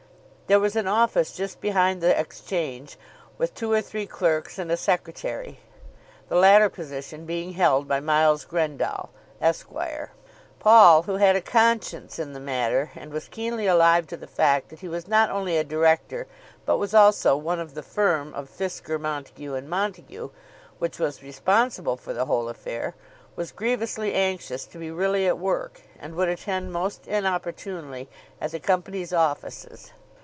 There was an office just behind the Exchange, with two or three clerks and a secretary, the latter position being held by Miles Grendall, Esq. Paul, who had a conscience in the matter and was keenly alive to the fact that he was not only a director but was also one of the firm of Fisker, Montague, and Montague which was responsible for the whole affair, was grievously anxious to be really at work, and would attend most inopportunely at the Company's offices.